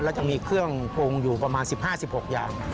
แล้วจะมีเครื่องปรุงอยู่ประมาณ๑๕๑๖อย่าง